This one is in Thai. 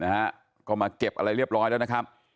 นะฮะก็มาเก็บอะไรเรียบร้อยแล้วนะครับ